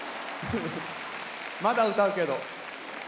まだ歌うけど。